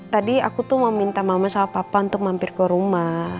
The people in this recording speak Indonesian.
tadi aku tuh mau minta mama sama papa untuk mampir ke rumah